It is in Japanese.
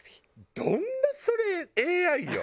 どんなそれＡＩよ。